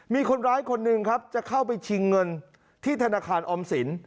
มีคนร้ายคนหนึ่งครับจะเข้าไปชิงเงินที่ธนาคารออมสิน